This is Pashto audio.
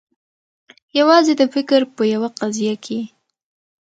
یوازي د فکر په یوه قضیه کي